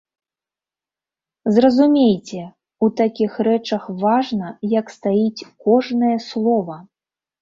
Зразумейце, у такіх рэчах важна, як стаіць кожнае слова.